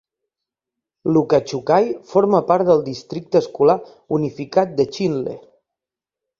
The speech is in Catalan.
Lukachukai forma part del districte escolar unificat de Chinle.